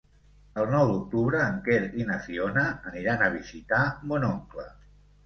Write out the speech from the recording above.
El nou d'octubre en Quer i na Fiona aniran a visitar mon oncle.